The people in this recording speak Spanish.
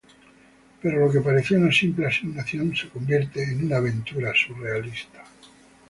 Pero lo que parecía una simple asignación se convierte en una aventura surrealista.